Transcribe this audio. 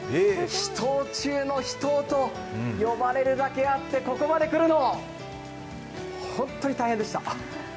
秘湯中の秘湯と呼ばれるだけあって、ここまで来るの、本当に大変でした。